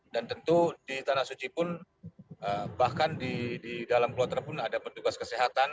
dan tentu di tanah suci pun bahkan di dalam kloter pun ada petugas kesehatan